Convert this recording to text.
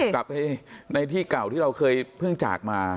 กลับไปในที่เก่าที่เราเคยเพิ่งจากมา